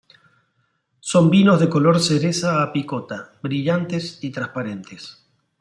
Son vinos de color cereza a picota, brillantes y transparentes.